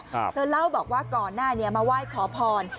เธอเล่าบอกว่าก่อนหน้านี้มาไหว้ขอพร